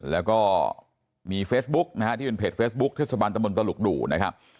แล้วก็มีเฟซบุ๊กนะฮะที่เป็นเพจเฟซบุ๊คเทศบาลตะมนตลุกดูนะครับ